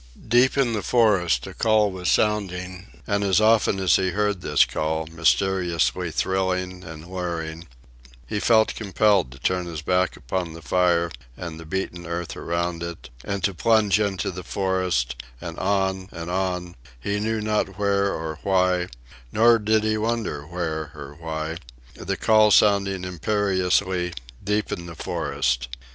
Deep in the forest a call was sounding, and as often as he heard this call, mysteriously thrilling and luring, he felt compelled to turn his back upon the fire and the beaten earth around it, and to plunge into the forest, and on and on, he knew not where or why; nor did he wonder where or why, the call sounding imperiously, deep in the forest.